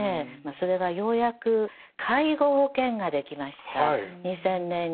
それがようやく介護保険ができました２０００年に。